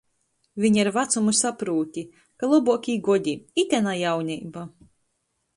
Viņ ar vacumu saprūti, ka lobuokī godi - ite na jauneiba.